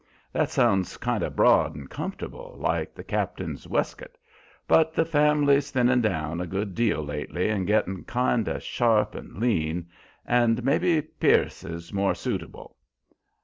That sounds kind o' broad and comfortable, like the cap'n's wescoat; but the family's thinnin' down a good deal lately and gettin' kind o' sharp and lean, and may be Pierce is more suitable.